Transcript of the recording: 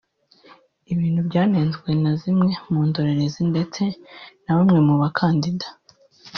ibintu byanenzwe na zimwe mu ndorerezi ndetse na bamwe mu bakandida